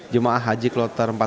jemaah haji kloter empat puluh lima